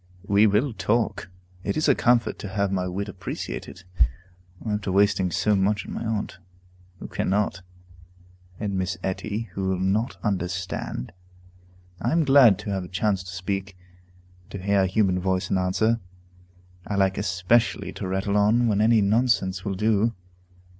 We will talk; it is a comfort to have my wit appreciated, after wasting so much on my aunt, who cannot, and Miss Etty, who will not understand. I am glad to have a chance to speak, and to hear a human voice in answer. I like especially to rattle on when any nonsense will do.